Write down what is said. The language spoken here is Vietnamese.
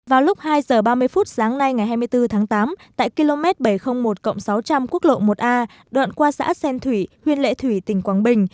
vào lúc hai giờ ba mươi phút sáng nay ngày hai mươi bốn tháng tám tại km bảy trăm linh một sáu trăm linh quốc lộ một a đoạn qua xã xen thủy huyện lệ thủy tỉnh quảng bình